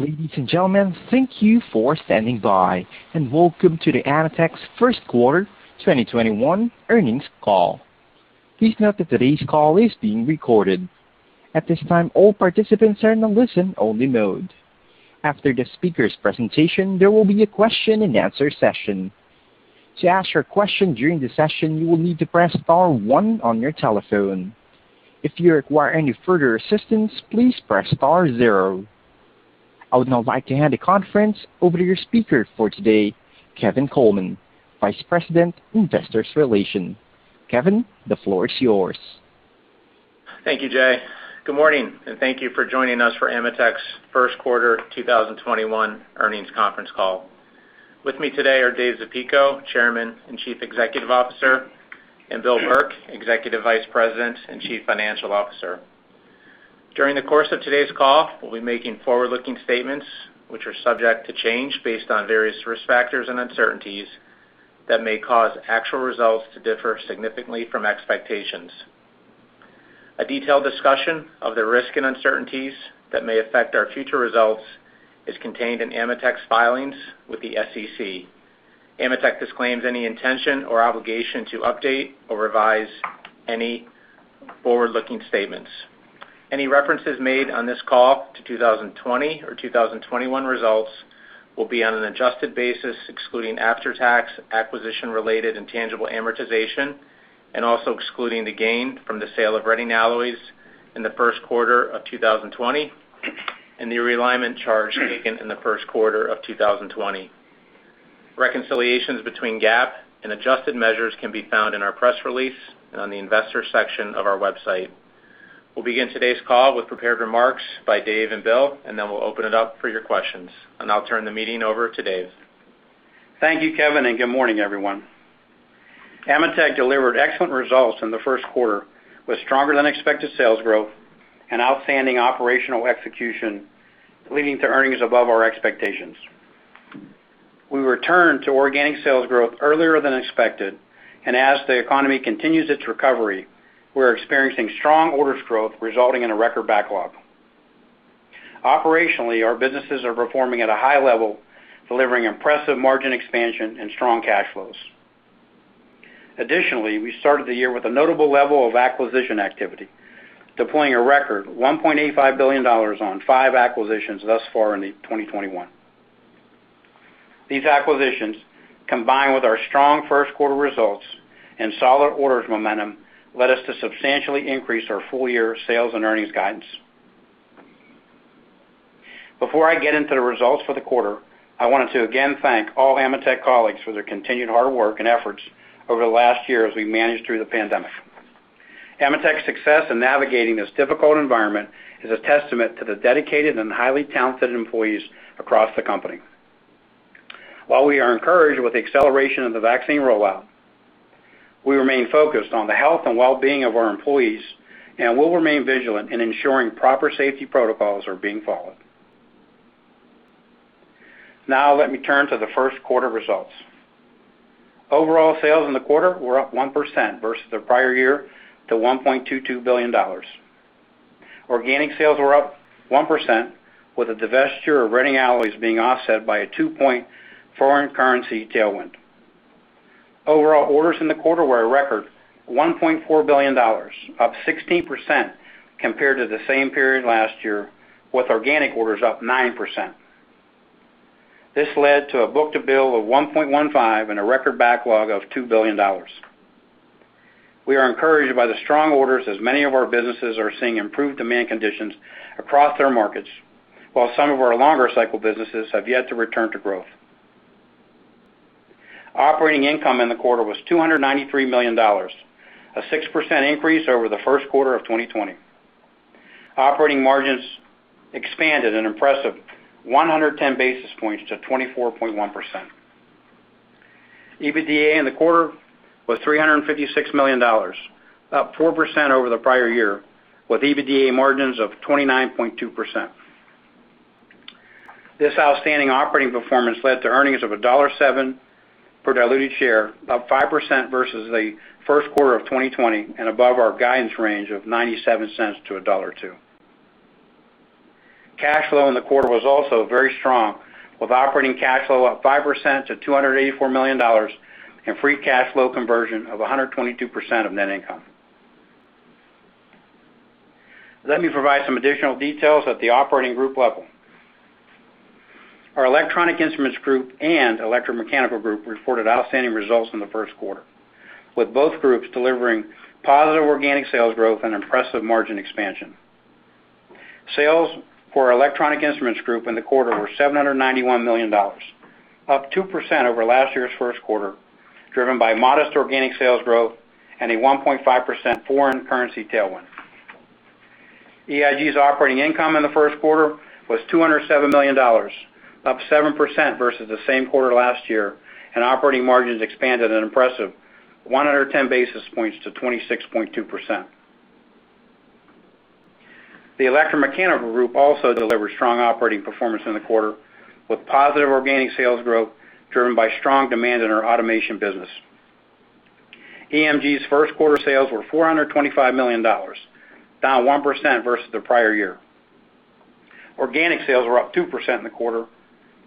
Ladies and gentlemen, thank you for standing by, and welcome to the AMETEK's first quarter 2021 earnings call. Please note that today's call is being recorded. At this time, all participants are in listen-only mode. After the speaker's presentation, there will be a question and answer session. To ask your question during the session, you will need to press star one on your telephone. If you require any further assistance, please press star zero. I would now like to hand the conference over to your speaker for today, Kevin Coleman, Vice President, Investor Relations. Kevin, the floor is yours. Thank you, Jay. Good morning, and thank you for joining us for AMETEK's first quarter 2021 earnings conference call. With me today are David Zapico, Chairman and Chief Executive Officer, and Bill Burke, Executive Vice President and Chief Financial Officer. During the course of today's call, we'll be making forward-looking statements, which are subject to change based on various risk factors and uncertainties that may cause actual results to differ significantly from expectations. A detailed discussion of the risk and uncertainties that may affect our future results is contained in AMETEK's filings with the SEC. AMETEK disclaims any intention or obligation to update or revise any forward-looking statements. Any references made on this call to 2020 or 2021 results will be on an adjusted basis, excluding after-tax, acquisition-related, intangible amortization, and also excluding the gain from the sale of Reading Alloys in the first quarter of 2020 and the realignment charge taken in the first quarter of 2020. Reconciliations between GAAP and adjusted measures can be found in our press release and on the investor section of our ametek.com website. We'll begin today's call with prepared remarks by Dave and Bill, and then we'll open it up for your questions. I'll turn the meeting over to Dave. Thank you, Kevin, and good morning, everyone. AMETEK delivered excellent results in the first quarter, with stronger-than-expected sales growth and outstanding operational execution, leading to earnings above our expectations. We returned to organic sales growth earlier than expected, and as the economy continues its recovery, we're experiencing strong orders growth, resulting in a record backlog. Operationally, our businesses are performing at a high level, delivering impressive margin expansion and strong cash flows. Additionally, we started the year with a notable level of acquisition activity, deploying a record $1.85 billion on five acquisitions thus far in 2021. These acquisitions, combined with our strong first quarter results and solid orders momentum, led us to substantially increase our full-year sales and earnings guidance. Before I get into the results for the quarter, I wanted to again thank all AMETEK colleagues for their continued hard work and efforts over the last year as we managed through the pandemic. AMETEK's success in navigating this difficult environment is a testament to the dedicated and highly talented employees across the company. While we are encouraged with the acceleration of the vaccine rollout, we remain focused on the health and well-being of our employees, and we'll remain vigilant in ensuring proper safety protocols are being followed. Now let me turn to the first quarter results. Overall sales in the quarter were up 1% versus the prior year to $1.22 billion. Organic sales were up 1%, with the divestiture of Reading Alloys being offset by a two-point foreign currency tailwind. Overall orders in the quarter were a record $1.4 billion, up 16% compared to the same period last year, with organic orders up 9%. This led to a book-to-bill of 1.15 and a record backlog of $2 billion. We are encouraged by the strong orders as many of our businesses are seeing improved demand conditions across their markets, while some of our longer cycle businesses have yet to return to growth. Operating income in the quarter was $293 million, a 6% increase over the first quarter of 2020. Operating margins expanded an impressive 110 basis points to 24.1%. EBITDA in the quarter was $356 million, up 4% over the prior year, with EBITDA margins of 29.2%. This outstanding operating performance led to earnings of $1.07 per diluted share, up 5% versus the first quarter of 2020, and above our guidance range of $0.97-$1.02. Cash flow in the quarter was also very strong, with operating cash flow up 5% to $284 million and free cash flow conversion of 122% of net income. Let me provide some additional details at the operating group level. Our Electronic Instruments Group and Electromechanical Group reported outstanding results in the first quarter, with both groups delivering positive organic sales growth and impressive margin expansion. Sales for our Electronic Instruments Group in the quarter were $791 million, up 2% over last year's first quarter, driven by modest organic sales growth and a 1.5% foreign currency tailwind. EIG's operating income in the first quarter was $207 million, up 7% versus the same quarter last year, and operating margins expanded an impressive 110 basis points to 26.2%. The Electromechanical Group also delivered strong operating performance in the quarter, with positive organic sales growth driven by strong demand in our automation business. EMG's first quarter sales were $425 million, down 1% versus the prior year. Organic sales were up 2% in the quarter,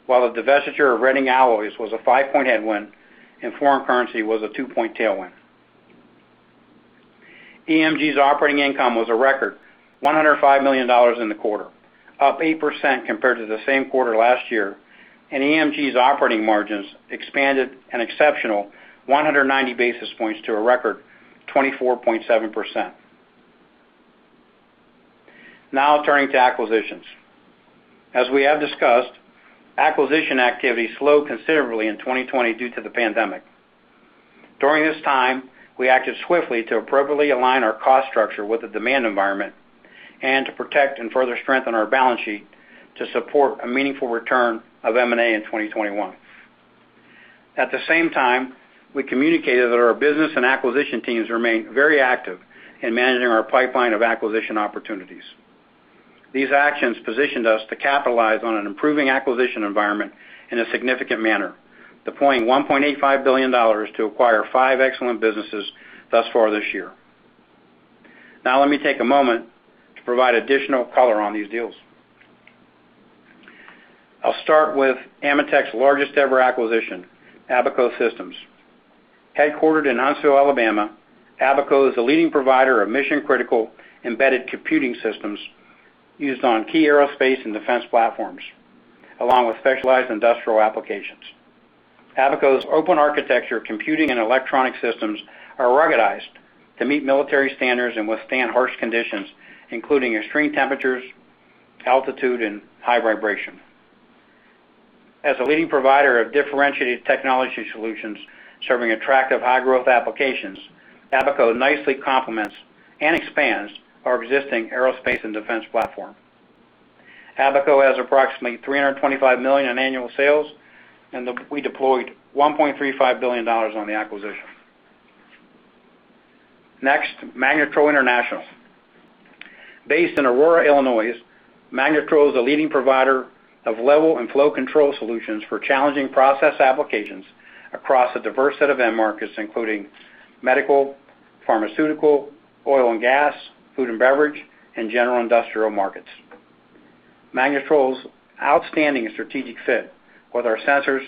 while the divestiture of Reading Alloys was a five-point headwind and foreign currency was a two-point tailwind. EMG's operating income was a record $105 million in the quarter, up 8% compared to the same quarter last year. EMG's operating margins expanded an exceptional 190 basis points to a record 24.7%. Turning to acquisitions. As we have discussed, acquisition activity slowed considerably in 2020 due to the pandemic. During this time, we acted swiftly to appropriately align our cost structure with the demand environment and to protect and further strengthen our balance sheet to support a meaningful return of M&A in 2021. At the same time, we communicated that our business and acquisition teams remain very active in managing our pipeline of acquisition opportunities. These actions positioned us to capitalize on an improving acquisition environment in a significant manner, deploying $1.85 billion to acquire five excellent businesses thus far this year. Let me take a moment to provide additional color on these deals. I'll start with AMETEK's largest-ever acquisition, Abaco Systems. Headquartered in Huntsville, Alabama, Abaco is a leading provider of mission-critical embedded computing systems used on key aerospace and defense platforms, along with specialized industrial applications. Abaco's open architecture computing and electronic systems are ruggedized to meet military standards and withstand harsh conditions, including extreme temperatures, altitude, and high vibration. As a leading provider of differentiated technology solutions serving attractive high-growth applications, Abaco nicely complements and expands our existing aerospace and defense platform. Abaco has approximately $325 million in annual sales, and we deployed $1.35 billion on the acquisition. Next, Magnetrol International. Based in Aurora, Illinois, Magnetrol is a leading provider of level and flow control solutions for challenging process applications across a diverse set of end markets, including medical, pharmaceutical, oil and gas, food and beverage, and general industrial markets. Magnetrol's outstanding strategic fit with our sensors,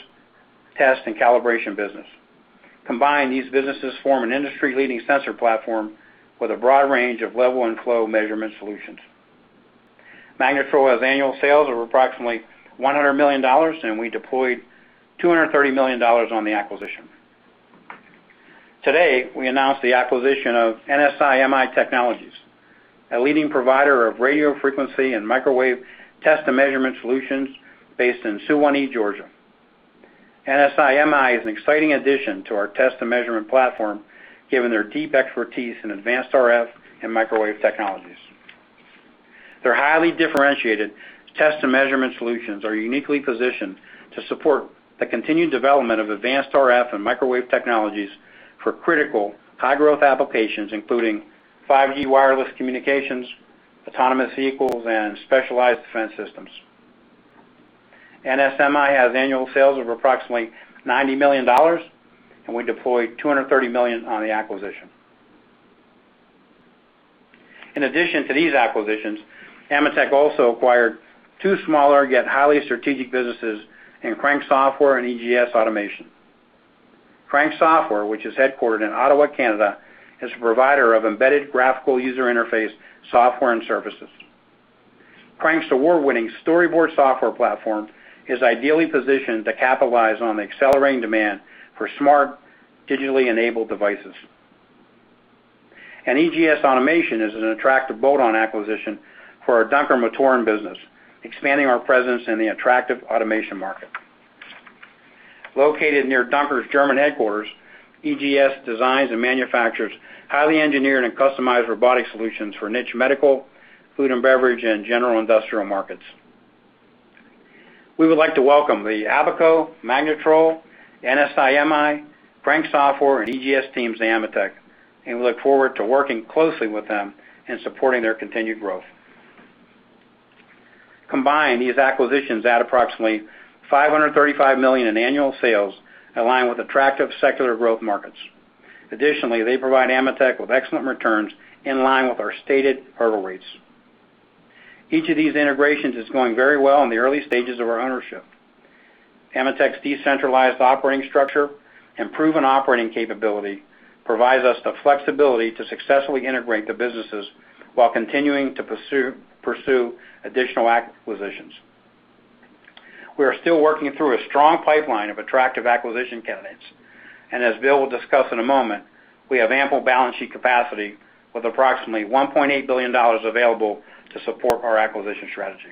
test, and calibration business. Combined, these businesses form an industry-leading sensor platform with a broad range of level and flow measurement solutions. Magnetrol has annual sales of approximately $100 million, and we deployed $230 million on the acquisition. Today, we announced the acquisition of NSI-MI Technologies, a leading provider of radio frequency and microwave test and measurement solutions based in Suwanee, Georgia. NSI-MI is an exciting addition to our test and measurement platform, given their deep expertise in advanced RF and microwave technologies. Their highly differentiated test and measurement solutions are uniquely positioned to support the continued development of advanced RF and microwave technologies for critical high-growth applications, including 5G wireless communications, autonomous vehicles, and specialized defense systems. NSI-MI has annual sales of approximately $90 million, and we deployed $230 million on the acquisition. In addition to these acquisitions, AMETEK also acquired two smaller, yet highly strategic businesses in Crank Software and EGS Automation. Crank Software, which is headquartered in Ottawa, Canada, is a provider of embedded graphical user interface software and services. Crank's award-winning Storyboard software platform is ideally positioned to capitalize on the accelerating demand for smart, digitally-enabled devices. EGS Automation is an attractive bolt-on acquisition for our Dunkermotoren business, expanding our presence in the attractive automation market. Located near Dunker's German headquarters, EGS designs and manufactures highly engineered and customized robotic solutions for niche medical, food and beverage, and general industrial markets. We would like to welcome the Abaco, Magnetrol, NSI-MI, Crank Software, and EGS teams to AMETEK, and we look forward to working closely with them in supporting their continued growth. Combined, these acquisitions add approximately $535 million in annual sales aligned with attractive secular growth markets. Additionally, they provide AMETEK with excellent returns in line with our stated hurdle rates. Each of these integrations is going very well in the early stages of our ownership. AMETEK's decentralized operating structure and proven operating capability provides us the flexibility to successfully integrate the businesses while continuing to pursue additional acquisitions. We are still working through a strong pipeline of attractive acquisition candidates. As Bill will discuss in a moment, we have ample balance sheet capacity with approximately $1.8 billion available to support our acquisition strategy.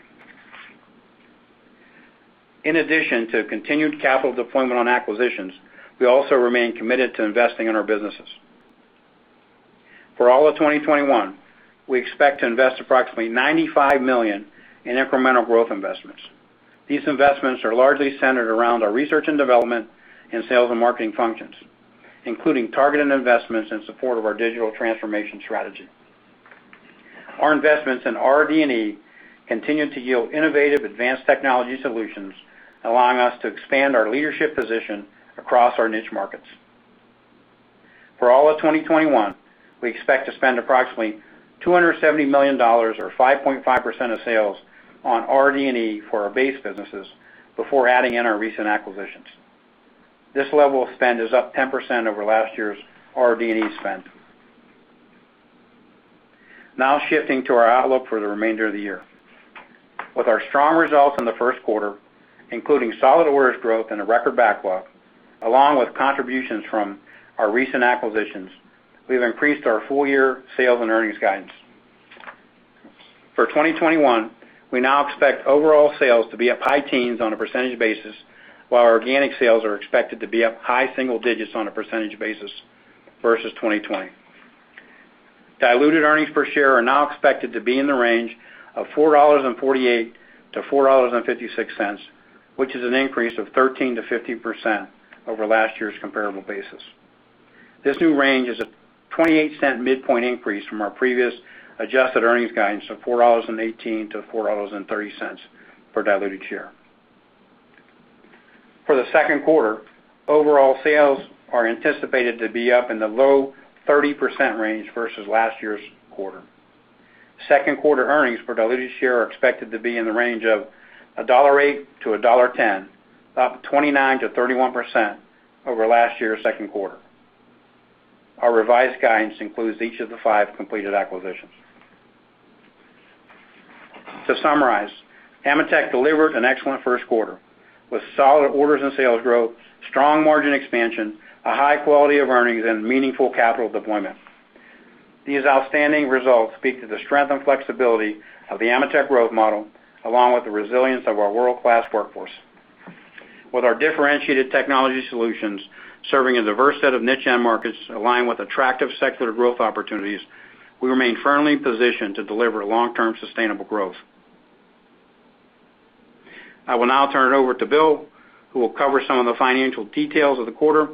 In addition to continued capital deployment on acquisitions, we also remain committed to investing in our businesses. For all of 2021, we expect to invest approximately $95 million in incremental growth investments. These investments are largely centered around our research and development in sales and marketing functions, including targeted investments in support of our digital transformation strategy. Our investments in RD&E continue to yield innovative advanced technology solutions, allowing us to expand our leadership position across our niche markets. For all of 2021, we expect to spend approximately $270 million, or 5.5% of sales, on RD&E for our base businesses before adding in our recent acquisitions. This level of spend is up 10% over last year's RD&E spend. Shifting to our outlook for the remainder of the year. With our strong results in the first quarter, including solid orders growth and a record backlog, along with contributions from our recent acquisitions, we've increased our full-year sales and earnings guidance. For 2021, we now expect overall sales to be up high teens on a percentage basis, while our organic sales are expected to be up high single digits on a percentage basis versus 2020. Diluted earnings per share are now expected to be in the range of $4.48-$4.56, which is an increase of 13%-15% over last year's comparable basis. This new range is a $0.28 midpoint increase from our previous adjusted earnings guidance of $4.18-$4.30 per diluted share. For the second quarter, overall sales are anticipated to be up in the low 30% range versus last year's quarter. Second quarter earnings per diluted share are expected to be in the range of $1.08-$1.10, up 29%-31% over last year's second quarter. Our revised guidance includes each of the five completed acquisitions. To summarize, AMETEK delivered an excellent first quarter with solid orders and sales growth, strong margin expansion, a high quality of earnings, and meaningful capital deployment. These outstanding results speak to the strength and flexibility of the AMETEK growth model, along with the resilience of our world-class workforce. With our differentiated technology solutions serving a diverse set of niche end markets aligned with attractive secular growth opportunities, we remain firmly positioned to deliver long-term sustainable growth. I will now turn it over to Bill, who will cover some of the financial details of the quarter,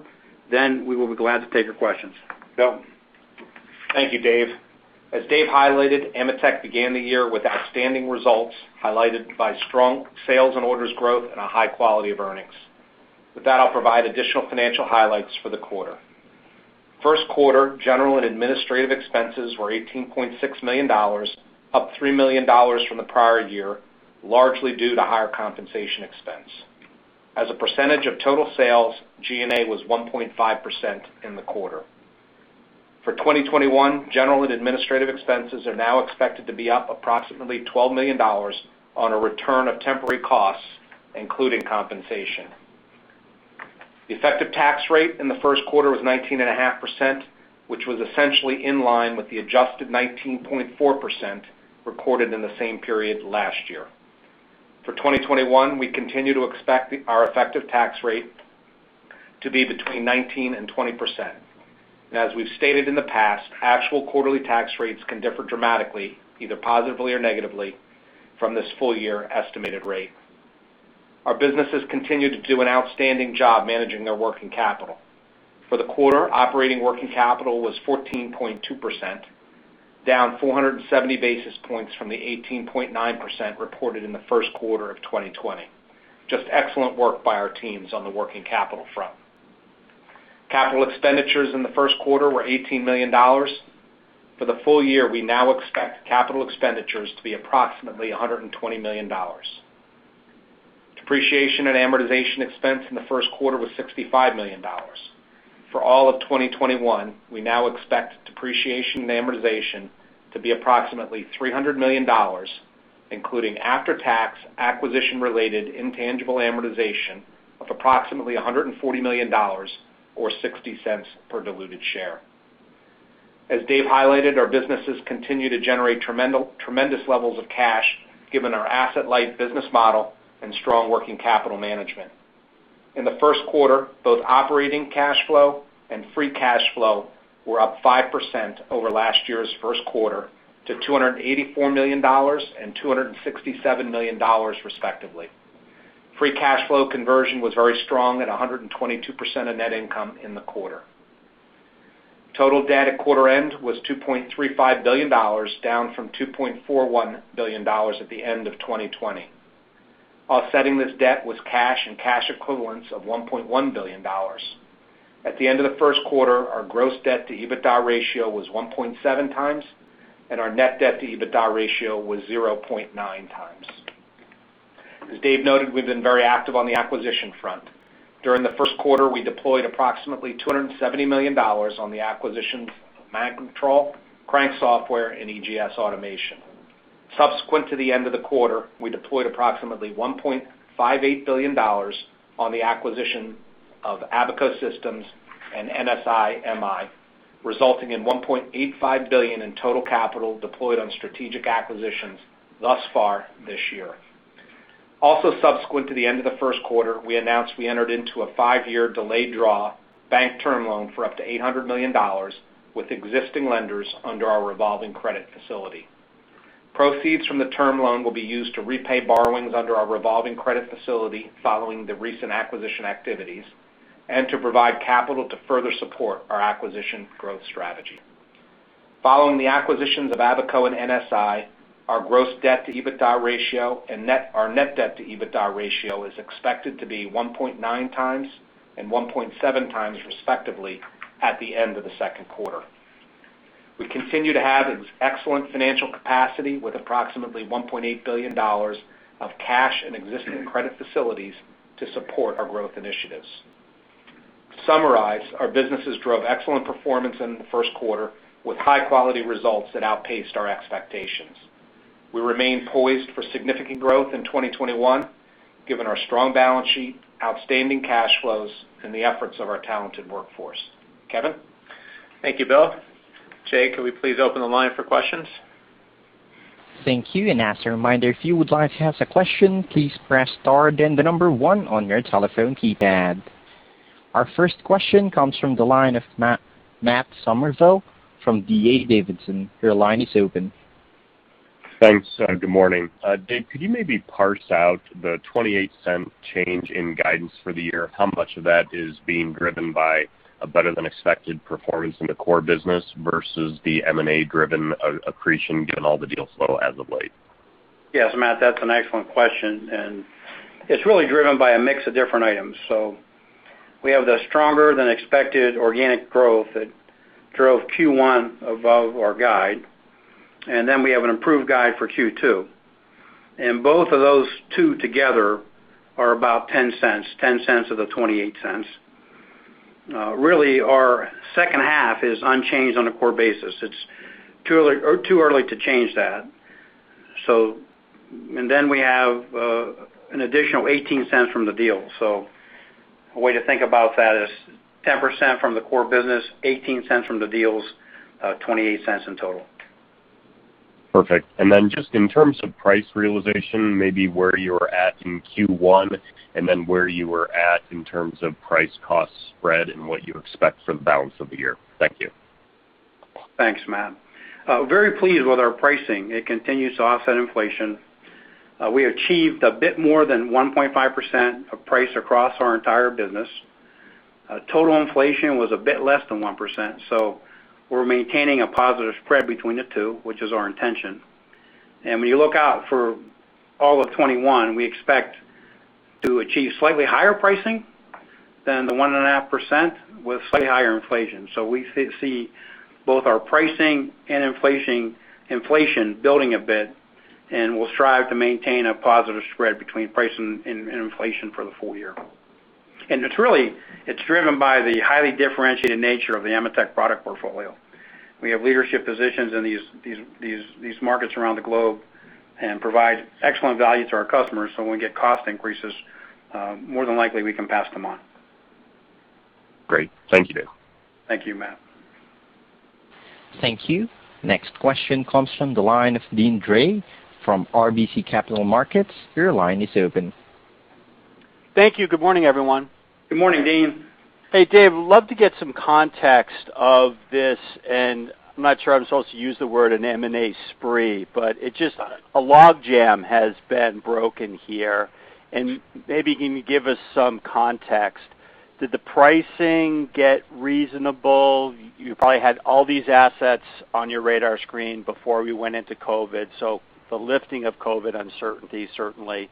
then we will be glad to take your questions. Bill? Thank you, David. As David highlighted, AMETEK began the year with outstanding results, highlighted by strong sales and orders growth, and a high quality of earnings. With that, I'll provide additional financial highlights for the quarter. First quarter general and administrative expenses were $18.6 million, up $3 million from the prior year, largely due to higher compensation expense. As a percentage of total sales, G&A was 1.5% in the quarter. For 2021, general and administrative expenses are now expected to be up approximately $12 million on a return of temporary costs, including compensation. The effective tax rate in the first quarter was 19.5%, which was essentially in line with the adjusted 19.4% recorded in the same period last year. For 2021, we continue to expect our effective tax rate to be between 19% and 20%. As we've stated in the past, actual quarterly tax rates can differ dramatically, either positively or negatively, from this full-year estimated rate. Our businesses continue to do an outstanding job managing their working capital. For the quarter, operating working capital was 14.2%, down 470 basis points from the 18.9% reported in the first quarter of 2020. Just excellent work by our teams on the working capital front. Capital expenditures in the first quarter were $18 million. For the full year, we now expect capital expenditures to be approximately $120 million. Depreciation and amortization expense in the first quarter was $65 million. For all of 2021, we now expect depreciation and amortization to be approximately $300 million, including after-tax acquisition-related intangible amortization of approximately $140 million, or $0.60 per diluted share. As Dave highlighted, our businesses continue to generate tremendous levels of cash given our asset-light business model and strong working capital management. In the first quarter, both operating cash flow and free cash flow were up 5% over last year's first quarter to $284 million and $267 million, respectively. Free cash flow conversion was very strong at 122% of net income in the quarter. Total debt at quarter end was $2.35 billion, down from $2.41 billion at the end of 2020. Offsetting this debt was cash and cash equivalents of $1.1 billion. At the end of the first quarter, our gross debt to EBITDA ratio was 1.7 times, and our net debt to EBITDA ratio was 0.9 times. As Dave noted, we've been very active on the acquisition front. During the first quarter, we deployed approximately $270 million on the acquisitions of Magnetrol, Crank Software, and EGS Automation. Subsequent to the end of the quarter, we deployed approximately $1.58 billion on the acquisition of Abaco Systems and NSI-MI, resulting in $1.85 billion in total capital deployed on strategic acquisitions thus far this year. Also subsequent to the end of the first quarter, we announced we entered into a five-year delayed draw bank term loan for up to $800 million with existing lenders under our revolving credit facility. Proceeds from the term loan will be used to repay borrowings under our revolving credit facility following the recent acquisition activities, and to provide capital to further support our acquisition growth strategy. Following the acquisitions of Abaco and NSI, our gross debt to EBITDA ratio and our net debt to EBITDA ratio is expected to be 1.9 times and 1.7 times, respectively, at the end of the second quarter. We continue to have excellent financial capacity with approximately $1.8 billion of cash and existing credit facilities to support our growth initiatives. To summarize, our businesses drove excellent performance in the first quarter, with high-quality results that outpaced our expectations. We remain poised for significant growth in 2021, given our strong balance sheet, outstanding cash flows, and the efforts of our talented workforce. Kevin? Thank you, Bill. Jay, can we please open the line for questions? Thank you. As a reminder, if you would like to ask a question, please press star then the number one on your telephone keypad. Our first question comes from the line of Matt Summerville from D.A. Davidson. Your line is open. Thanks. Good morning. Dave, could you maybe parse out the $0.28 change in guidance for the year? How much of that is being driven by a better than expected performance in the core business versus the M&A driven accretion, given all the deal flow as of late? Yes, Matt, that's an excellent question, and it's really driven by a mix of different items. We have the stronger than expected organic growth that drove Q1 above our guide. We have an improved guide for Q2. Both of those two together are about $0.10 of the $0.28. Really our second half is unchanged on a core basis. It's too early to change that. We have an additional $0.18 from the deal. A way to think about that is 10% from the core business, $0.18 from the deals, $0.28 in total. Perfect. Just in terms of price realization, maybe where you're at in Q1, and then where you were at in terms of price cost spread and what you expect for the balance of the year? Thank you. Thanks, Matt. Very pleased with our pricing. It continues to offset inflation. We achieved a bit more than 1.5% of price across our entire business. Total inflation was a bit less than 1%, so we're maintaining a positive spread between the two, which is our intention. When you look out for all of 2021, we expect to achieve slightly higher pricing than the 1.5% with slightly higher inflation. We see both our pricing and inflation building a bit, and we'll strive to maintain a positive spread between price and inflation for the full year. It's driven by the highly differentiated nature of the AMETEK product portfolio. We have leadership positions in these markets around the globe and provide excellent value to our customers, so when we get cost increases, more than likely we can pass them on. Great. Thank you, David. Thank you, Matt. Thank you. Next question comes from the line of Deane Dray from RBC Capital Markets. Your line is open. Thank you. Good morning, everyone. Good morning, Deane. Hey, David, would love to get some context of this. I'm not sure I'm supposed to use the word an M&A spree, but a log jam has been broken here. Maybe can you give us some context? Did the pricing get reasonable? You probably had all these assets on your radar screen before we went into COVID. The lifting of COVID uncertainty certainly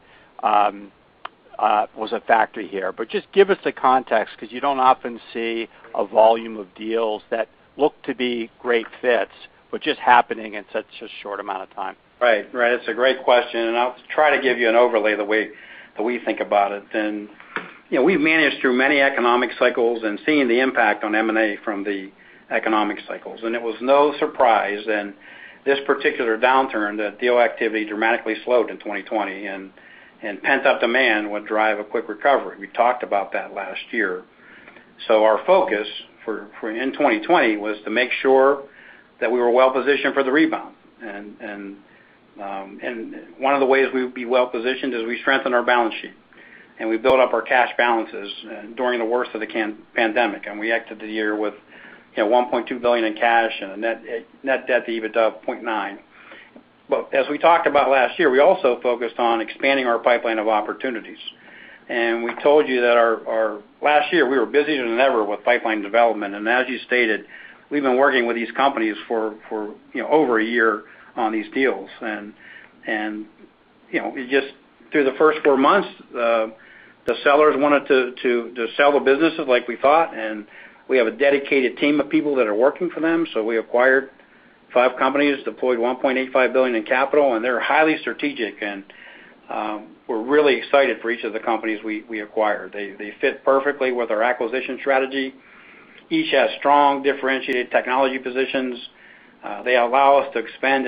was a factor here. Just give us the context, because you don't often see a volume of deals that look to be great fits, but just happening in such a short amount of time. Right. It's a great question, and I'll try to give you an overlay the way that we think about it then. We've managed through many economic cycles and seen the impact on M&A from the economic cycles, and it was no surprise in this particular downturn that deal activity dramatically slowed in 2020, and pent-up demand would drive a quick recovery. We talked about that last year. Our focus in 2020 was to make sure that we were well-positioned for the rebound. One of the ways we would be well-positioned is we strengthen our balance sheet, and we build up our cash balances during the worst of the pandemic. We exited the year with $1.2 billion in cash and a net debt to EBITDA of 0.9. As we talked about last year, we also focused on expanding our pipeline of opportunities. We told you that last year we were busier than ever with pipeline development, and as you stated, we've been working with these companies for over a year on these deals. Through the first four months, the sellers wanted to sell the businesses like we thought, and we have a dedicated team of people that are working for them. We acquired five companies, deployed $1.85 billion in capital, and they're highly strategic, and we're really excited for each of the companies we acquired. They fit perfectly with our acquisition strategy. Each has strong differentiated technology positions. They allow us to expand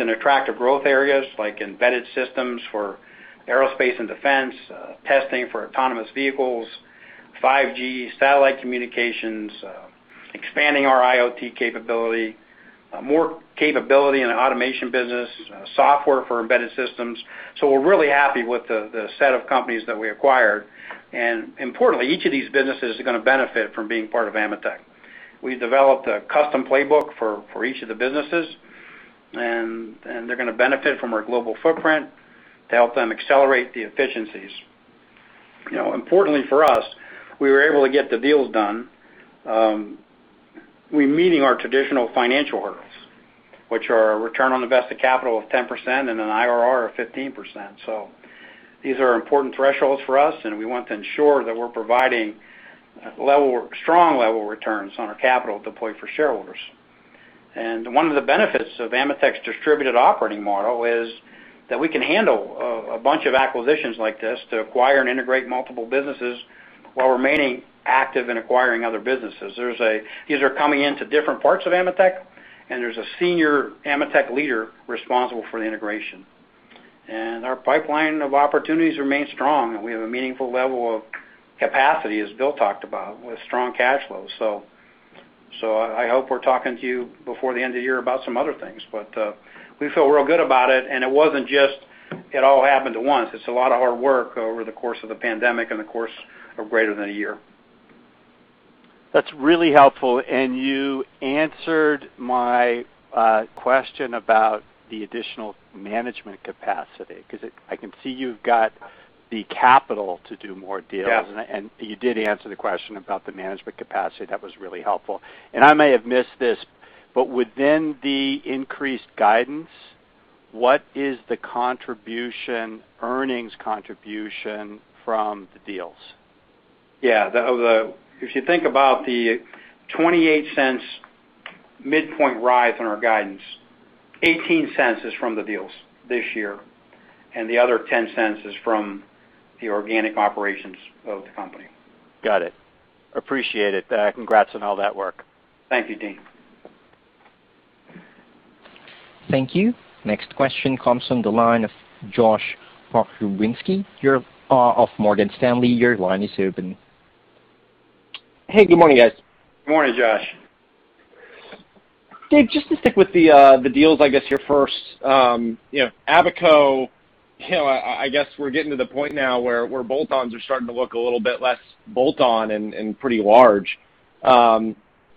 in attractive growth areas like embedded systems for aerospace and defense, testing for autonomous vehicles, 5G satellite communications, expanding our IoT capability, more capability in the automation business, software for embedded systems. We're really happy with the set of companies that we acquired. Importantly, each of these businesses are going to benefit from being part of AMETEK. We developed a custom playbook for each of the businesses. They're going to benefit from our global footprint to help them accelerate the efficiencies. Importantly for us, we were able to get the deals done. We're meeting our traditional financial hurdles, which are a return on invested capital of 10% and an IRR of 15%. These are important thresholds for us, and we want to ensure that we're providing strong level returns on our capital deployed for shareholders. One of the benefits of AMETEK's distributed operating model is that we can handle a bunch of acquisitions like this to acquire and integrate multiple businesses while remaining active in acquiring other businesses. These are coming into different parts of AMETEK, and there's a senior AMETEK leader responsible for the integration. Our pipeline of opportunities remains strong, and we have a meaningful level of capacity, as Bill talked about, with strong cash flow. I hope we're talking to you before the end of the year about some other things. We feel real good about it, and it wasn't just it all happened at once. It's a lot of hard work over the course of the pandemic and the course of greater than a year. That's really helpful. You answered my question about the additional management capacity, because I can see you've got the capital to do more deals. Yeah. You did answer the question about the management capacity. That was really helpful. I may have missed this, but within the increased guidance, what is the earnings contribution from the deals? Yeah. If you think about the $0.28 midpoint rise on our guidance, $0.18 is from the deals this year, the other $0.10 is from the organic operations of the company. Got it. Appreciate it. Congrats on all that work. Thank you, Deane. Thank you. Next question comes from the line of Josh Pokrzywinski of Morgan Stanley. Hey, good morning, guys. Good morning, Josh. Dave, just to stick with the deals, I guess, your first Abaco, I guess we're getting to the point now where bolt-ons are starting to look a little bit less bolt-on and pretty large. Can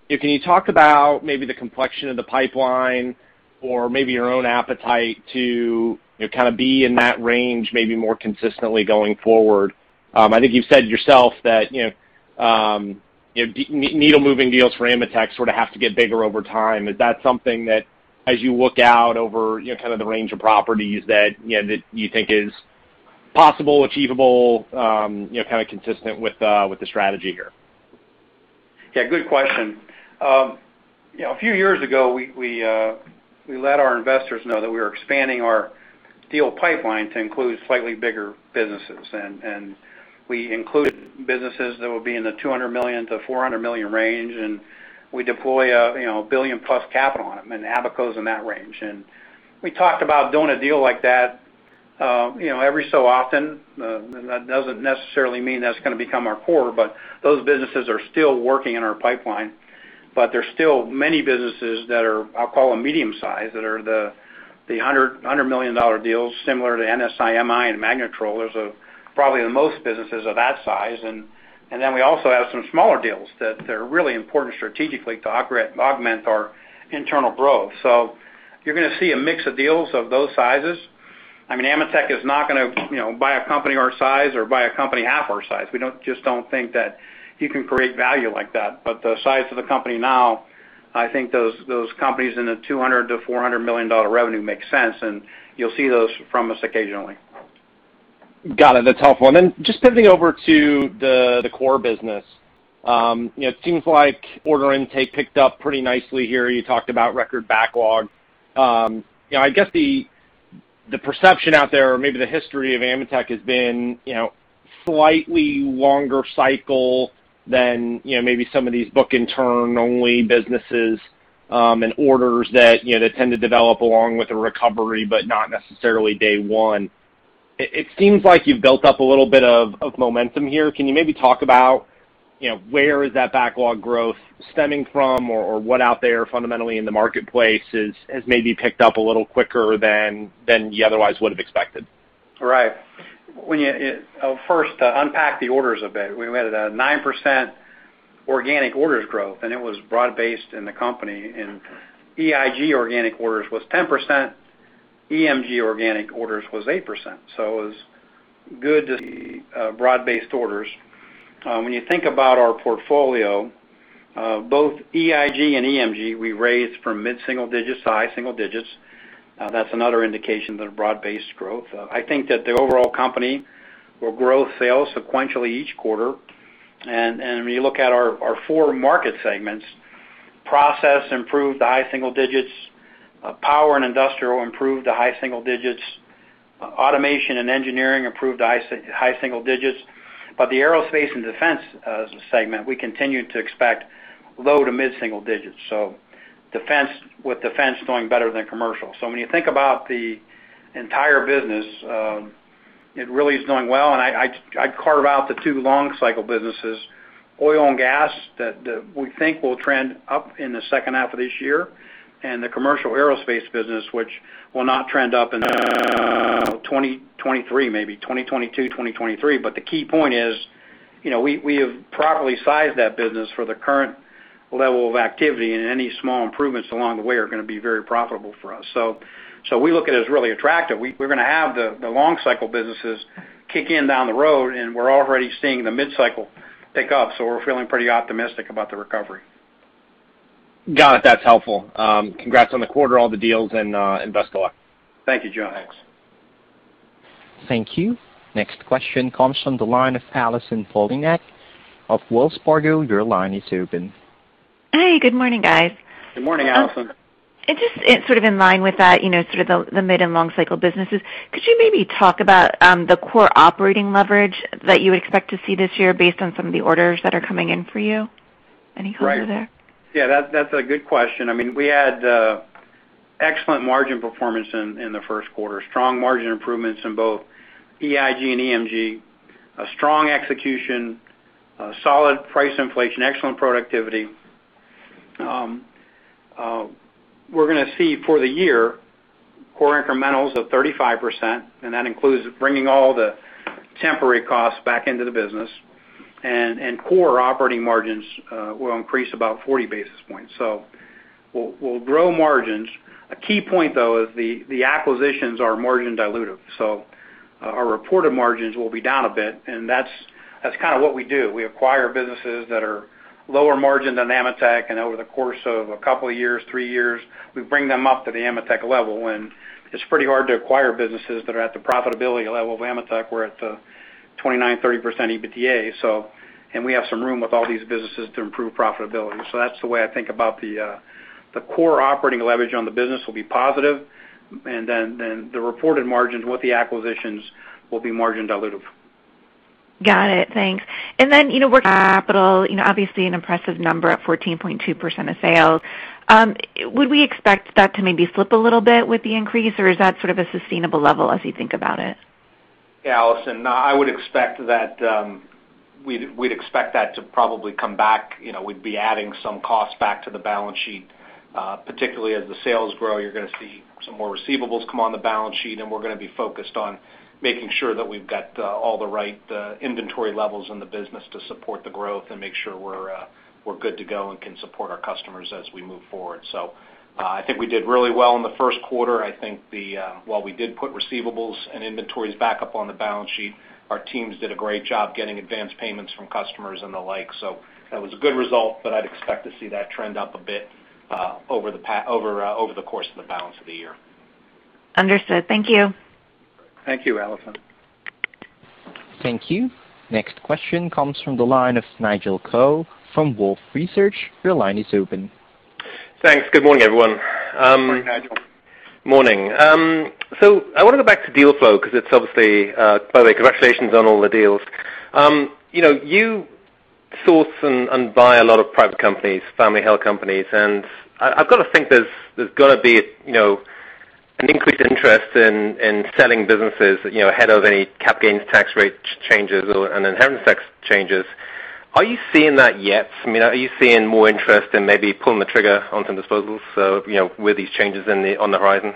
you talk about maybe the complexion of the pipeline or maybe your own appetite to kind of be in that range, maybe more consistently going forward? I think you've said yourself that needle-moving deals for AMETEK sort of have to get bigger over time. Is that something that as you look out over kind of the range of properties that you think is possible, achievable, kind of consistent with the strategy here? Yeah, good question. A few years ago, we let our investors know that we were expanding our deal pipeline to include slightly bigger businesses. We included businesses that will be in the $200 million-$400 million range, and we deploy a $1 billion-plus capital on them, and Abaco is in that range. We talked about doing a deal like that every so often. That doesn't necessarily mean that's going to become our core, but those businesses are still working in our pipeline. There's still many businesses that are, I'll call them medium-sized, that are the $100 million deals similar to NSI-MI and Magnetrol. Those are probably the most businesses of that size. We also have some smaller deals that are really important strategically to augment our internal growth. You're going to see a mix of deals of those sizes. AMETEK is not going to buy a company our size or buy a company half our size. We just don't think that you can create value like that. The size of the company now, I think those companies in the $200 million-$400 million revenue makes sense, and you'll see those from us occasionally. Got it. That's helpful. Just pivoting over to the core business. It seems like order intake picked up pretty nicely here. You talked about record backlog. I guess the perception out there, or maybe the history of AMETEK has been slightly longer cycle than maybe some of these book-and-turn-only businesses and orders that tend to develop along with a recovery, but not necessarily day one. It seems like you've built up a little bit of momentum here. Can you maybe talk about where is that backlog growth stemming from? What out there fundamentally in the marketplace has maybe picked up a little quicker than you otherwise would have expected? Right. First, to unpack the orders a bit. We had a 9% organic orders growth, and it was broad-based in the company. EIG organic orders was 10%, EMG organic orders was 8%, so it was good to see broad-based orders. When you think about our portfolio, both EIG and EMG, we raised from mid-single digits to high single digits. That's another indication of the broad-based growth. I think that the overall company will grow sales sequentially each quarter. When you look at our four market segments, process improved to high single digits, power and industrial improved to high single digits, automation and engineering improved to high single digits. The aerospace and defense segment, we continue to expect low to mid-single digits. With defense doing better than commercial. When you think about the entire business, it really is doing well, and I'd carve out the two long cycle businesses, oil and gas, that we think will trend up in the second half of this year, and the commercial aerospace business, which will not trend up in 2023, maybe 2022, 2023. The key point is, we have properly sized that business for the current level of activity, and any small improvements along the way are going to be very profitable for us. We look at it as really attractive. We're going to have the long cycle businesses kick in down the road, and we're already seeing the mid-cycle pick up. We're feeling pretty optimistic about the recovery. Got it. That's helpful. Congrats on the quarter, all the deals, and best of luck. Thank you, Josh Pokrzywinski. Thank you. Next question comes from the line of Allison Poliniak-Cusic at of Wells Fargo. Your line is open. Hey, good morning, guys. Good morning, Allison. Just sort of in line with that, sort of the mid and long cycle businesses, could you maybe talk about the core operating leverage that you expect to see this year based on some of the orders that are coming in for you? Any color there? Right. Yeah, that's a good question. We had excellent margin performance in the first quarter, strong margin improvements in both EIG and EMG, a strong execution, solid price inflation, excellent productivity. We're going to see for the year core incrementals of 35%, and that includes bringing all the temporary costs back into the business, and core operating margins will increase about 40 basis points. We'll grow margins. A key point, though, is the acquisitions are margin dilutive. Our reported margins will be down a bit, and that's kind of what we do. We acquire businesses that are lower margin than AMETEK, and over the course of a couple of years, three years, we bring them up to the AMETEK level. It's pretty hard to acquire businesses that are at the profitability level of AMETEK. We're at the 29%, 30% EBITDA. We have some room with all these businesses to improve profitability. That's the way I think about the core operating leverage on the business will be positive, and then the reported margins with the acquisitions will be margin dilutive. Got it. Thanks. Working capital, obviously an impressive number at 14.2% of sales. Would we expect that to maybe flip a little bit with the increase, or is that sort of a sustainable level as you think about it? Allison, we'd expect that to probably come back. We'd be adding some cost back to the balance sheet. Particularly as the sales grow, you're going to see some more receivables come on the balance sheet, and we're going to be focused on making sure that we've got all the right inventory levels in the business to support the growth and make sure we're good to go and can support our customers as we move forward. I think we did really well in the first quarter. I think while we did put receivables and inventories back up on the balance sheet, our teams did a great job getting advanced payments from customers and the like. That was a good result, I'd expect to see that trend up a bit over the course of the balance of the year. Understood. Thank you. Thank you, Allison. Thank you. Next question comes from the line of Nigel Coe from Wolfe Research. Your line is open. Thanks. Good morning, everyone. Morning, Nigel. Morning. I want to go back to deal flow. By the way, congratulations on all the deals. You source and buy a lot of private companies, family-held companies. I've got to think there's going to be an increased interest in selling businesses ahead of any cap gains tax rate changes or inheritance tax changes. Are you seeing that yet? Are you seeing more interest in maybe pulling the trigger on some disposals with these changes on the horizon?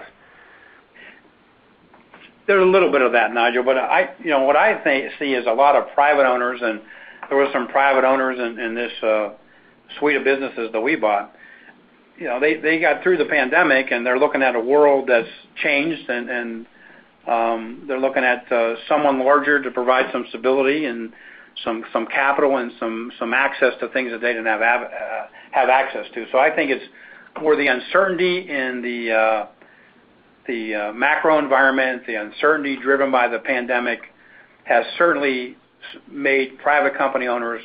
There's a little bit of that, Nigel. What I see is a lot of private owners, there were some private owners in this suite of businesses that we bought. They got through the pandemic, they're looking at a world that's changed, they're looking at someone larger to provide some stability and some capital and some access to things that they didn't have access to. I think it's more the uncertainty in the macro environment, the uncertainty driven by the pandemic has certainly made private company owners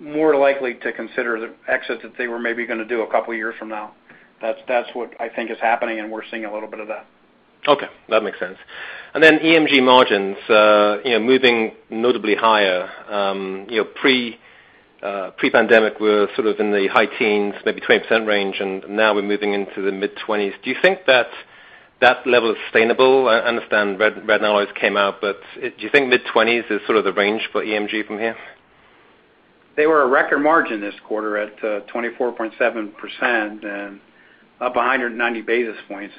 more likely to consider the exits that they were maybe going to do a couple of years from now. That's what I think is happening, we're seeing a little bit of that. Okay. That makes sense. EMG margins, moving notably higher. Pre-pandemic, we were sort of in the high teens, maybe 20% range. Now we're moving into the mid-20s. Do you think that that level is sustainable? I understand RBC analyst came out. Do you think mid-20s is sort of the range for EMG from here? They were a record margin this quarter at 24.7%, up 190 basis points.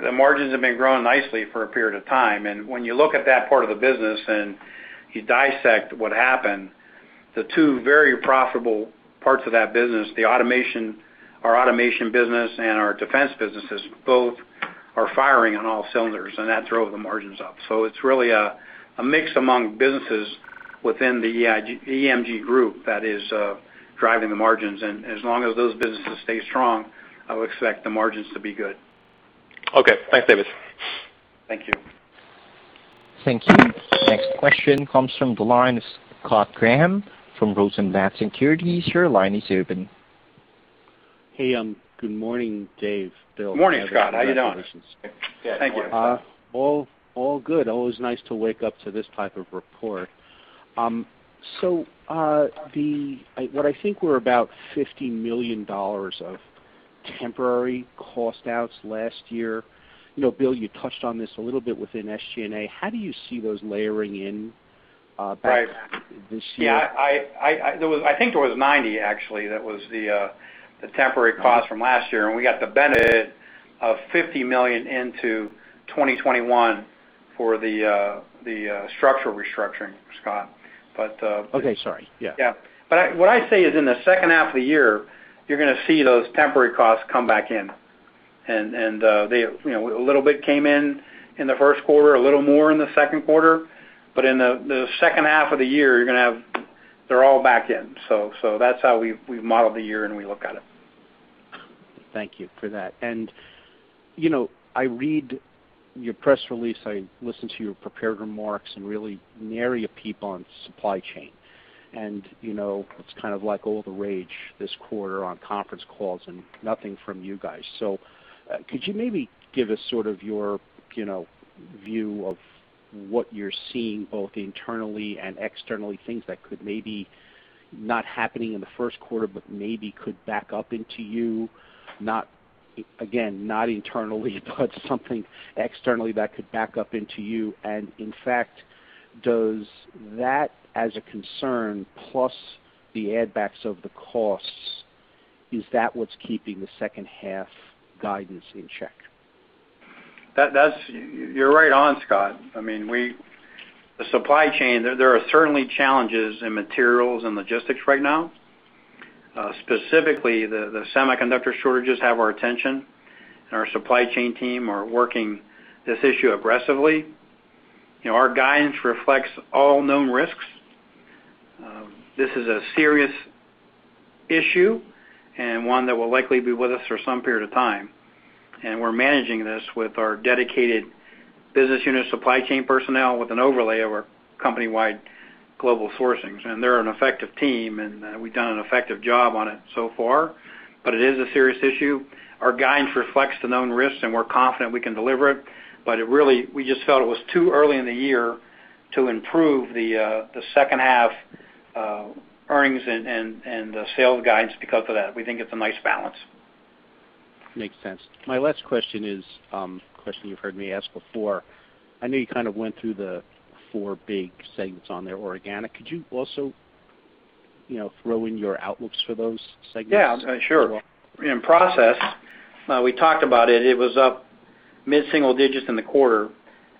The margins have been growing nicely for a period of time. When you look at that part of the business and you dissect what happened, the two very profitable parts of that business, our automation business and our defense businesses both are firing on all cylinders, and that drove the margins up. It's really a mix among businesses within the EMG group that is driving the margins. As long as those businesses stay strong, I would expect the margins to be good. Okay. Thanks, David. Thank you. Thank you. Next question comes from the line of Scott Graham from Rosenblatt Securities. Your line is open. Hey, good morning, Dave, Bill. Morning, Scott. How you doing? Good morning, Scott. All good. Always nice to wake up to this type of report. What I think were about $50 million of temporary cost outs last year. Bill, you touched on this a little bit within SG&A. How do you see those layering in back this year? Yeah. I think there was $90, actually, that was the temporary cost from last year. We got the benefit of $50 million into 2021 for the structural restructuring, Scott. Okay, sorry. Yeah. Yeah. What I say is in the second half of the year, you're going to see those temporary costs come back in. A little bit came in in the first quarter, a little more in the second quarter, but in the second half of the year, they're all back in. That's how we've modeled the year and we look at it. Thank you for that. I read your press release, I listened to your prepared remarks and really nary a peep on supply chain. It's kind of like all the rage this quarter on conference calls and nothing from you guys. Could you maybe give us sort of your view of what you're seeing both internally and externally, things that could maybe not happening in the first quarter, but maybe could back up into you, again, not internally, but something externally that could back up into you? In fact, does that, as a concern, plus the add backs of the costs, is that what's keeping the second half guidance in check? You're right on, Scott. The supply chain, there are certainly challenges in materials and logistics right now. Specifically, the semiconductor shortages have our attention, and our supply chain team are working this issue aggressively. Our guidance reflects all known risks. This is a serious issue and one that will likely be with us for some period of time. We're managing this with our dedicated business unit supply chain personnel with an overlay of our company-wide global sourcings. They're an effective team, and we've done an effective job on it so far, but it is a serious issue. Our guidance reflects the known risks, and we're confident we can deliver it, but really, we just felt it was too early in the year to improve the second half earnings and the sales guidance because of that. We think it's a nice balance. Makes sense. My last question is a question you've heard me ask before. I know you kind of went through the four big segments on their organic. Could you also throw in your outlooks for those segments as well? Yeah. Sure. In process, we talked about it. It was up mid-single digits in the quarter,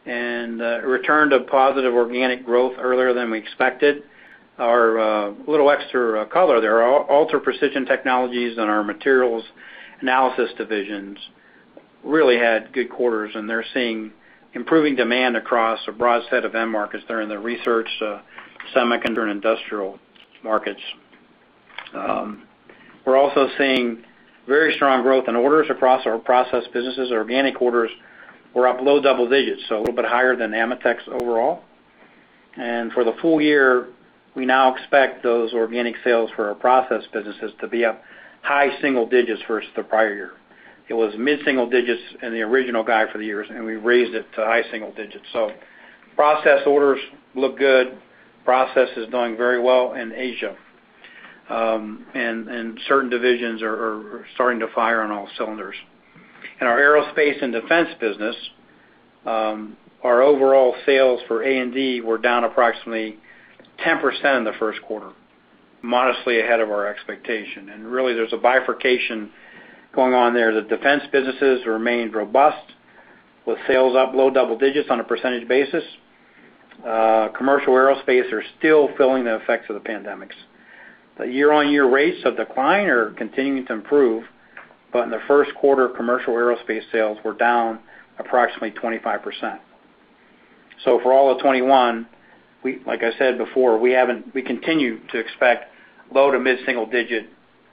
and it returned to positive organic growth earlier than we expected. Our little extra color there, our Ultra Precision Technologies and our Materials Analysis divisions really had good quarters, and they're seeing improving demand across a broad set of end markets. They're in the research, semiconductor, and industrial markets. We're also seeing very strong growth in orders across our process businesses. Our organic orders were up low double digits, a little bit higher than AMETEK's overall. For the full year, we now expect those organic sales for our process businesses to be up high single digits versus the prior year. It was mid-single digits in the original guide for the year, we raised it to high single digits. Process orders look good. Process is doing very well in Asia. Certain divisions are starting to fire on all cylinders. In our aerospace and defense business, our overall sales for A&D were down approximately 10% in the first quarter, modestly ahead of our expectation. Really, there's a bifurcation going on there. The defense businesses remained robust with sales up low double digits on a percentage basis. Commercial aerospace are still feeling the effects of the pandemic. The year-on-year rates of decline are continuing to improve, but in the first quarter, commercial aerospace sales were down approximately 25%. For all of 2021, like I said before, we continue to expect low to mid-single digit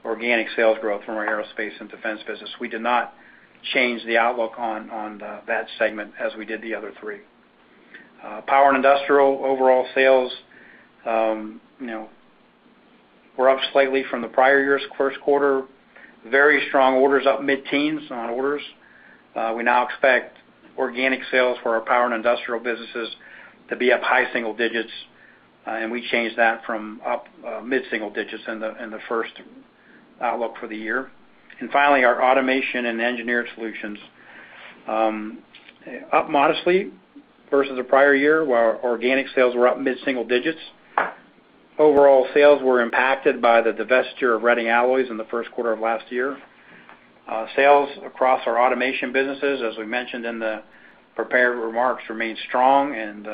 organic sales growth from our aerospace and defense business. We did not change the outlook on that segment as we did the other three. Power and industrial overall sales were up slightly from the prior year's first quarter. Very strong orders up mid-teens on orders. We now expect organic sales for our power and industrial businesses to be up high single digits, and we changed that from up mid-single digits in the first outlook for the year. Finally, our automation and engineered solutions, up modestly versus the prior year, while our organic sales were up mid-single digits. Overall sales were impacted by the divestiture of Reading Alloys in the first quarter of last year. Sales across our automation businesses, as we mentioned in the prepared remarks, remained strong, and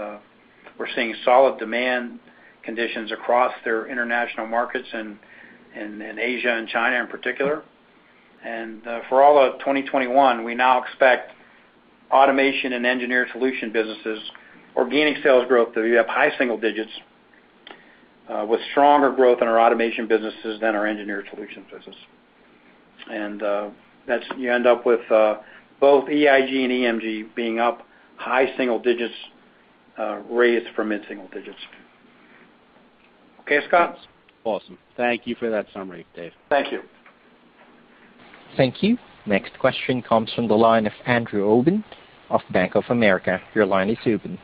we're seeing solid demand conditions across their international markets in Asia and China in particular. For all of 2021, we now expect automation and engineered solution businesses organic sales growth to be up high single digits with stronger growth in our automation businesses than our engineered solutions business. You end up with both EIG and EMG being up high single digits, raised from mid-single digits. Okay, Scott? Awesome. Thank you for that summary, David. Thank you. Thank you. Next question comes from the line of Andrew Obin of Bank of America. Your line is open.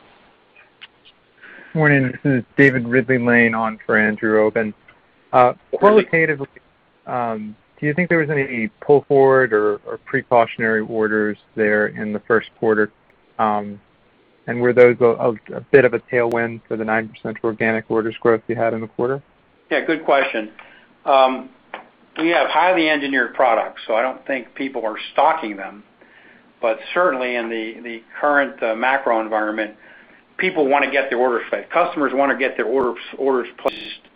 Morning. This is David Ridley-Lane on for Andrew Obin. Okay. Qualitatively, do you think there was any pull forward or precautionary orders there in the first quarter? Were those a bit of a tailwind for the 9% organic orders growth you had in the quarter? Yeah, good question. We have highly engineered products. I don't think people are stocking them. Certainly, in the current macro environment, people want to get their orders placed. Customers want to get their orders placed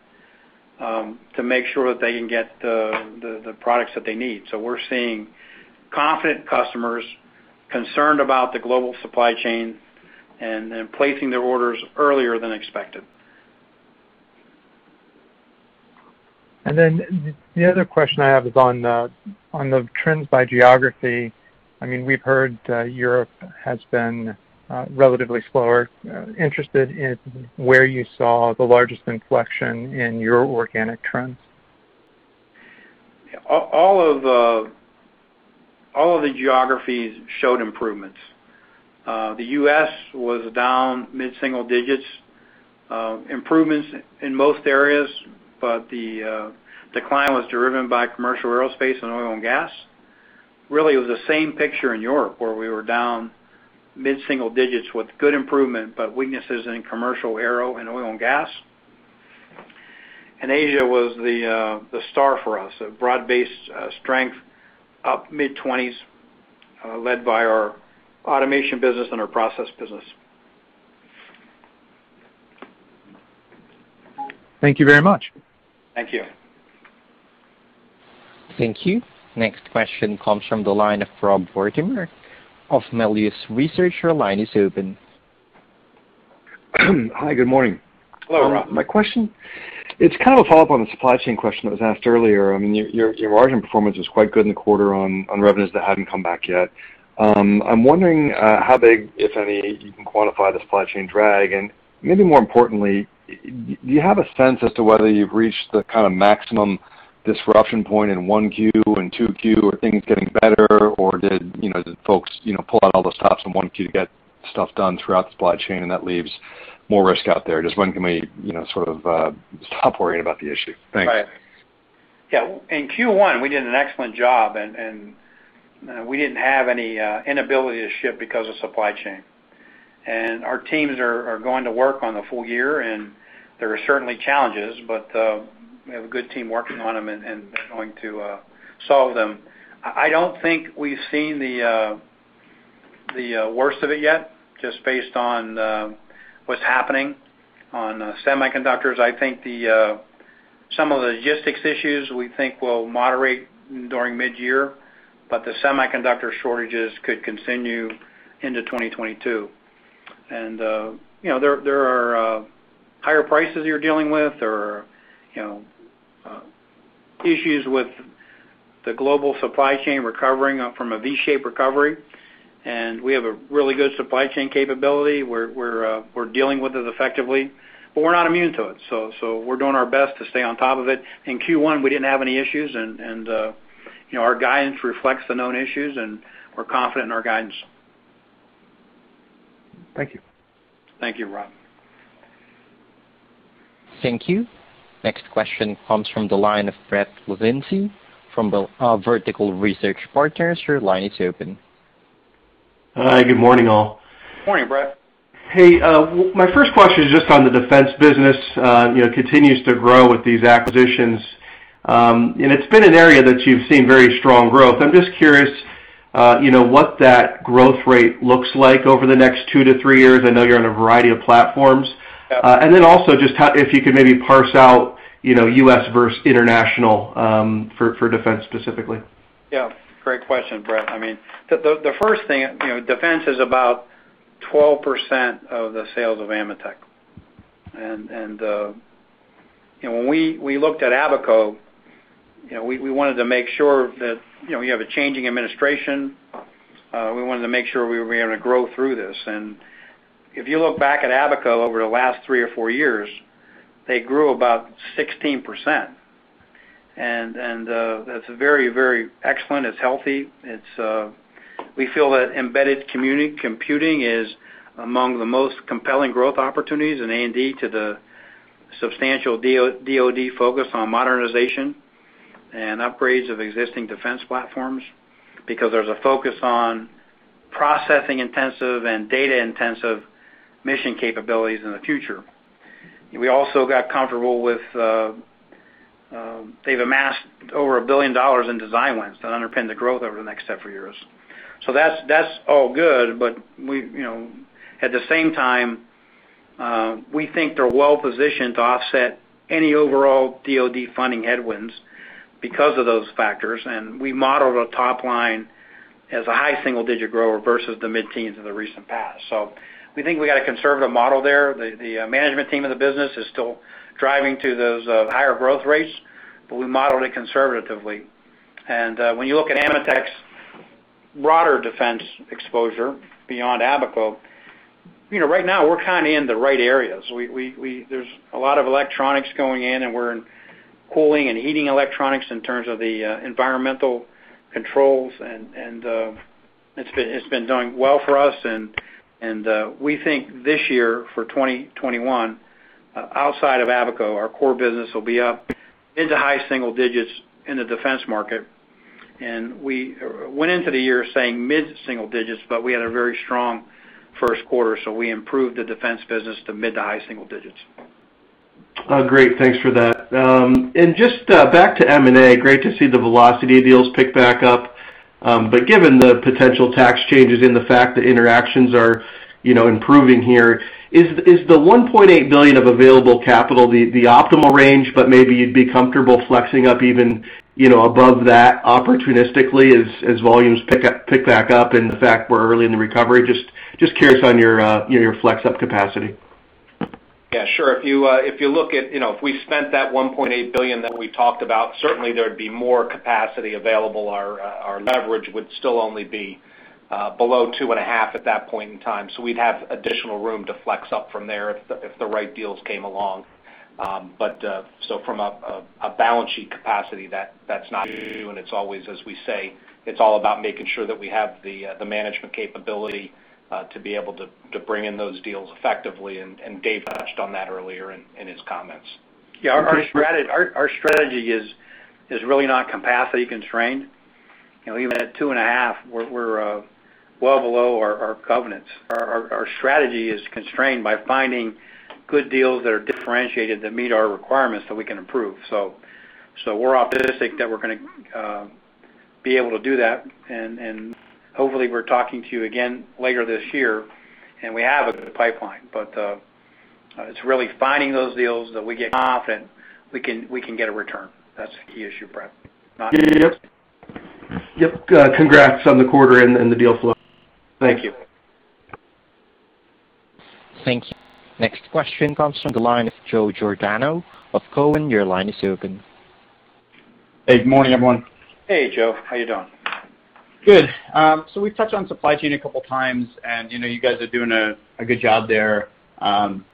to make sure that they can get the products that they need. We're seeing confident customers concerned about the global supply chain, and then placing their orders earlier than expected. The other question I have is on the trends by geography. We've heard Europe has been relatively slower. Interested in where you saw the largest inflection in your organic trends. All of the geographies showed improvements. The U.S. was down mid-single digits. Improvements in most areas, the decline was driven by commercial aerospace and oil and gas. Really, it was the same picture in Europe, where we were down mid-single digits with good improvement, weaknesses in commercial aero and oil and gas. Asia was the star for us, a broad-based strength up mid-20s, led by our automation business and our process business. Thank you very much. Thank you. Thank you. Next question comes from the line of Rob Wertheimer of Melius Research. Hi, good morning. Hello, Rob. My question, it's kind of a follow-up on the supply chain question that was asked earlier. Your margin performance was quite good in the quarter on revenues that hadn't come back yet. I'm wondering how big, if any, you can quantify the supply chain drag. Maybe more importantly, do you have a sense as to whether you've reached the kind of maximum disruption point in 1Q and 2Q? Are things getting better, or did folks pull out all the stops in 1Q to get stuff done throughout the supply chain? That leaves more risk out there? Just when can we sort of stop worrying about the issue? Thanks. Right. Yeah. In Q1, we did an excellent job, we didn't have any inability to ship because of supply chain. Our teams are going to work on the full year, there are certainly challenges, we have a good team working on them, they're going to solve them. I don't think we've seen the worst of it yet, just based on what's happening on semiconductors. I think some of the logistics issues, we think will moderate during mid-year, the semiconductor shortages could continue into 2022. There are higher prices you're dealing with. There are issues with the global supply chain recovering up from a V-shaped recovery, we have a really good supply chain capability. We're dealing with it effectively, we're not immune to it. We're doing our best to stay on top of it. In Q1, we didn't have any issues, and our guidance reflects the known issues, and we're confident in our guidance. Thank you. Thank you, Rob. Thank you. Next question comes from the line of Brett Linzey from Vertical Research Partners. Hi, good morning, all. Morning, Brett. Hey, my first question is just on the defense business. Continues to grow with these acquisitions. It's been an area that you've seen very strong growth. I'm just curious what that growth rate looks like over the next two-three years. I know you're on a variety of platforms. Yeah. Also, just if you could maybe parse out U.S. versus international for defense specifically. Yeah, great question, Brett. The first thing, defense is about 12% of the sales of AMETEK. When we looked at Abaco, we have a changing administration, we wanted to make sure we were going to grow through this. If you look back at Abaco over the last three or four years, they grew about 16%. That's very excellent. It's healthy. We feel that embedded computing is among the most compelling growth opportunities in A&D to the substantial DoD focus on modernization and upgrades of existing defense platforms because there's a focus on processing intensive and data intensive mission capabilities in the future. We also got comfortable with they've amassed over $1 billion in design wins that underpin the growth over the next several years. That's all good, but at the same time, we think they're well positioned to offset any overall DoD funding headwinds because of those factors. We modeled a top line as a high single-digit grower versus the mid-teens of the recent past. We think we got a conservative model there. The management team of the business is still driving to those higher growth rates, but we modeled it conservatively. When you look at AMETEK's broader defense exposure beyond Abaco, right now, we're kind of in the right areas. There's a lot of electronics going in, and we're in cooling and heating electronics in terms of the environmental controls, and it's been doing well for us. We think this year for 2021, outside of Abaco, our core business will be up into high single digits in the defense market. We went into the year saying mid-single digits, but we had a very strong first quarter, so we improved the defense business to mid to high single digits. Great. Thanks for that. Just back to M&A, great to see the velocity of deals pick back up. Given the potential tax changes and the fact that interactions are improving here, is the $1.8 billion of available capital the optimal range, but maybe you'd be comfortable flexing up even above that opportunistically as volumes pick back up and the fact we're early in the recovery? Just curious on your flex up capacity. Yeah, sure. If we spent that $1.8 billion that we talked about, certainly there'd be more capacity available. Our leverage would still only be below 2.5 at that point in time. We'd have additional room to flex up from there if the right deals came along. From a balance sheet capacity, that's not new, and it's always, as we say, it's all about making sure that we have the management capability to be able to bring in those deals effectively, and Dave touched on that earlier in his comments. Yeah, our strategy is really not capacity constrained. Even at two and a half, we're well below our covenants. Our strategy is constrained by finding good deals that are differentiated that meet our requirements that we can improve. We're optimistic that we're going to be able to do that, and hopefully we're talking to you again later this year and we have a good pipeline. It's really finding those deals that we get off and we can get a return. That's the key issue, Brett. Yep. Congrats on the quarter and the deal flow. Thank you. Thank you. Next question comes from the line of Joe Giordano of Cowen. Your line is open. Hey, good morning, everyone. Hey, Joe. How you doing? Good. We've touched on supply chain a couple times, and you guys are doing a good job there.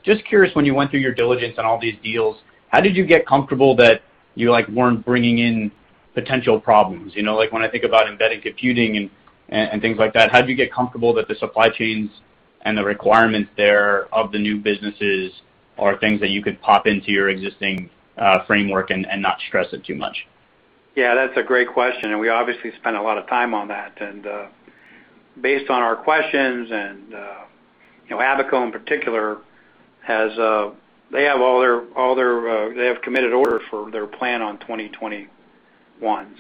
Just curious, when you went through your diligence on all these deals, how did you get comfortable that you weren't bringing in potential problems? When I think about embedded computing and things like that, how did you get comfortable that the supply chains and the requirements there of the new businesses are things that you could pop into your existing framework and not stress it too much? Yeah, that's a great question. We obviously spent a lot of time on that. Based on our questions and Abaco in particular, they have committed orders for their plan on 2021.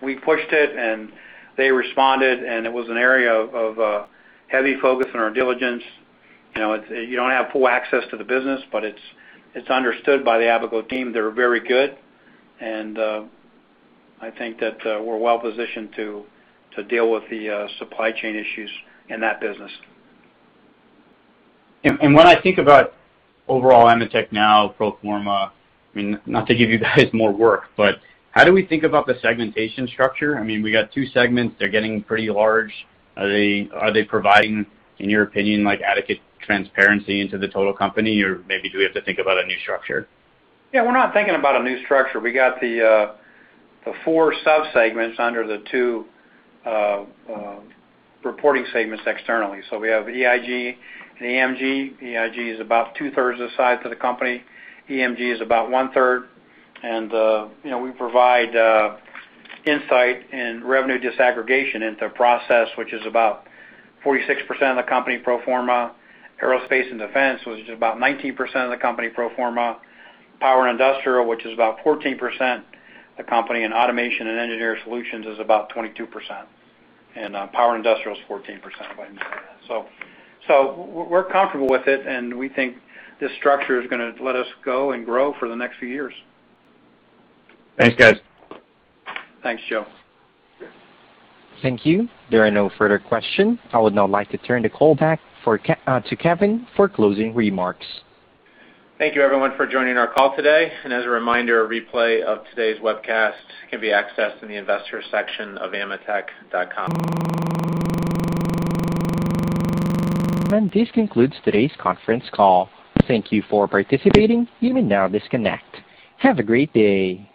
We pushed it. They responded, and it was an area of heavy focus in our diligence. You don't have full access to the business, but it's understood by the Abaco team they're very good. I think that we're well positioned to deal with the supply chain issues in that business. When I think about overall AMETEK now, pro forma, not to give you guys more work, but how do we think about the segmentation structure? We got two segments. They're getting pretty large. Are they providing, in your opinion, adequate transparency into the total company, or maybe do we have to think about a new structure? Yeah, we're not thinking about a new structure. We got the four sub-segments under the two reporting segments externally. We have EIG and EMG. EIG is about two-thirds of the size of the company. EMG is about one-third. We provide insight and revenue disaggregation into process, which is about 46% of the company pro forma. Aerospace and Defense, which is about 19% of the company pro forma. Power and Industrial, which is about 14% the company. Automation and Engineering Solutions is about 22%. Power Industrial is 14%, if I haven't said that. We're comfortable with it, and we think this structure is going to let us go and grow for the next few years. Thanks, guys. Thanks, Joe. Thank you. There are no further questions. I would now like to turn the call back to Kevin for closing remarks. Thank you, everyone, for joining our call today. As a reminder, a replay of today's webcast can be accessed in the investor section of ametek.com. This concludes today's conference call. Thank you for participating. You may now disconnect. Have a great day.